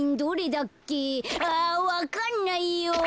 あわかんないよ。